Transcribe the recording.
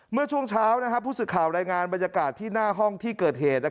เมื่อช่วงเช้าผู้สื่อข่าวรายงานบรรยากาศที่หน้าห้องที่เกิดเหตุ